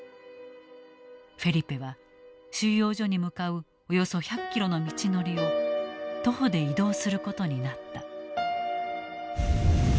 フェリペは収容所に向かうおよそ１００キロの道のりを徒歩で移動することになった。